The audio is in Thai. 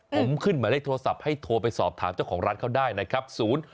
ผมขึ้นหมายเลขโทรศัพท์ให้โทรไปสอบถามเจ้าของร้านเขาได้นะครับ